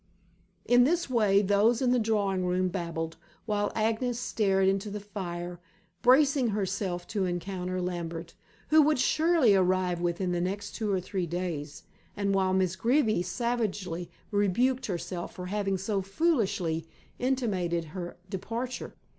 In this way those in the drawing room babbled, while Agnes stared into the fire, bracing herself to encounter Lambert, who would surely arrive within the next two or three days, and while Miss Greeby savagely rebuked herself for having so foolishly intimated her departure.